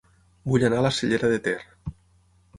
Vull anar a La Cellera de Ter